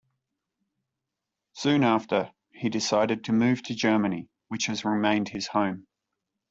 Soon after, he decided to move to Germany, which has remained his home.